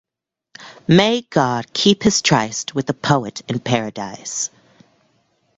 May God keep his tryst with the poet in Paradise!